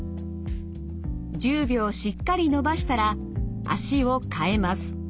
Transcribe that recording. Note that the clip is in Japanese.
１０秒しっかり伸ばしたら脚をかえます。